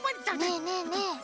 ねえねえねえ！